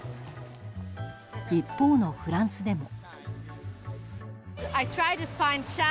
一方のフランスでも。